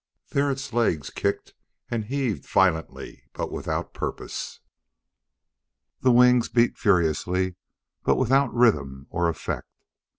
There its legs kicked and heaved violently but without purpose. The wings beat furiously but without rhythm or effect.